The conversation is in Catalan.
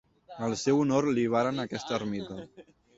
Al seu honor li varen aquesta ermita.